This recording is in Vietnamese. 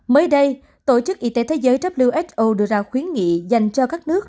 mới đây tổ chức y tế thế giới who đưa ra khuyến nghị dành cho các nước